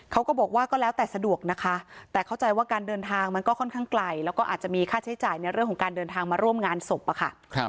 เขาก็บอกว่าก็แล้วแต่สะดวกนะคะแต่เข้าใจว่าการเดินทางมันก็ค่อนข้างไกลแล้วก็อาจจะมีค่าใช้จ่ายในเรื่องของการเดินทางมาร่วมงานศพอะค่ะ